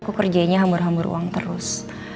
aku kerjanya hambur hambur uang terus